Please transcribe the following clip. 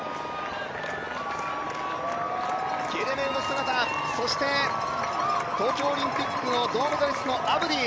ゲレメウの姿、そして東京オリンピックの銅メダリストのアブディ